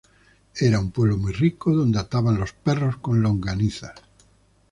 Era un pueblo muy rico donde ataban los perros con longanizas